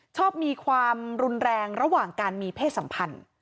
ชอบมีความรุนแรงระหว่างการมีเพศสัมพันธ์